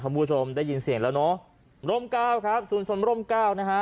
คุณผู้ชมได้ยินเสียงแล้วเนอะร่มเก้าครับชุมชนร่มเก้านะฮะ